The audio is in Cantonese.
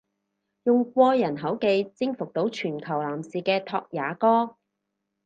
用過人口技征服到全球男士嘅拓也哥！？